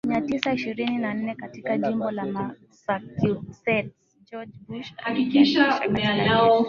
mia tisa ishirini na nne katika jimbo la Massachusetts George Bush alijiandikisha katika Jeshi